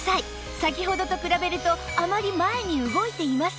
先ほどと比べるとあまり前に動いていません